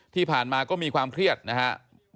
ที่ผ่านมาก็มีความเครียดนะครับ